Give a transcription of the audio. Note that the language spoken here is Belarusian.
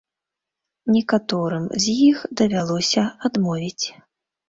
Некаторым з іх давялося адмовіць.